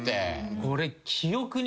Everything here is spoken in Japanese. これ。